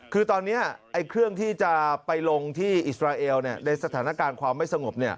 คือตอนนี้เครื่องที่จะไปลงที่อิสราเอลในสถานการณ์ความไม่สงบ